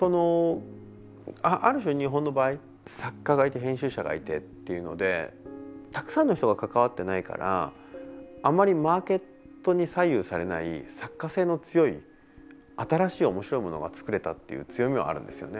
ある種、日本の場合、作家がいて編集者がいてっていうのでたくさんの人が関わってないからあまりマーケットに左右されない作家性の強い新しいおもしろいものが作れたっていう強みはあるんですよね。